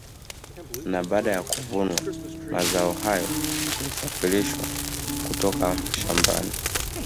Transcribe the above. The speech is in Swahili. Na baada ya kuvunwa mazao hayo yalisafirishwa kutoka mashamabani